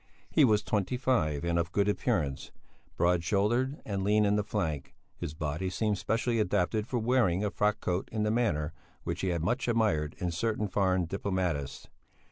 He was twenty five and of good appearance. Broad shouldered and lean in the flank, his body seemed specially adapted for wearing a frock coat in the manner which he had much admired in certain foreign diplomatists.